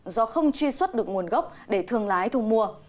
do không truy xuất được nguồn gốc để thương lái thu mua